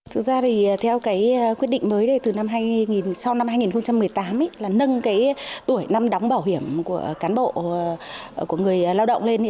thực ra thì theo quyết định mới sau năm hai nghìn một mươi tám là nâng tuổi năm đóng bảo hiểm của cán bộ của người lao động lên